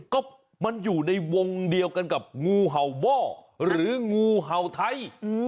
ก็มันอยู่ในวงเดียวกันกับงูเห่าหม้อหรืองูเห่าไทย